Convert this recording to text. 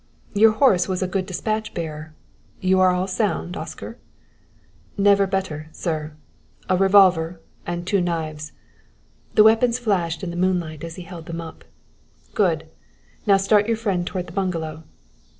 "Your horse was a good despatch bearer. You are all sound, Oscar?" "Never better, sir. A revolver and two knives " the weapons flashed in the moonlight as he held them up. "Good! Now start your friend toward the bungalow."